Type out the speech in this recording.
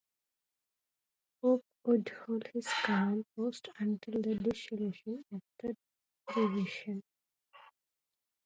Poppe would hold his command post until the dissolution of the division.